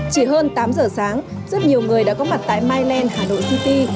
chỉ hơn tám giờ sáng rất nhiều người đã có mặt tại mylen hà nội city